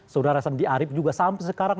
saudara sandi arief juga sampai sekarang